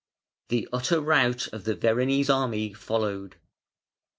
The utter rout of the Veronese army followed.